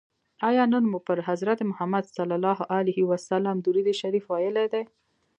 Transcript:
آیا نن مو پر حضرت محمد صلی الله علیه وسلم درود شریف ویلي دی؟